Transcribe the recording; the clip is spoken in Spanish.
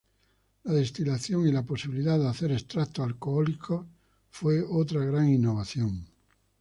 La destilación y la posibilidad de hacer extractos alcohólicos fue otra gran innovación.